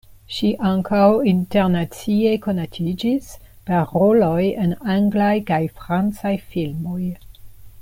Ŝi ankaŭ internacie konatiĝis per roloj en anglaj kaj francaj filmoj.